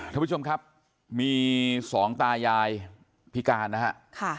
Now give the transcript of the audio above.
ท่านผู้ชมครับมีสองตายายพิการนะฮะ